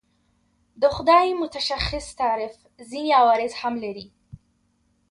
د خدای متشخص تعریف ځینې عوارض هم لري.